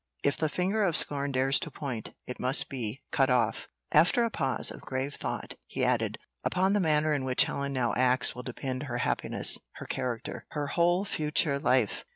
If the finger of scorn dares to point, it must be cut off." After a pause of grave thought, he added "Upon the manner in which Helen now acts will depend her happiness her character her whole future life."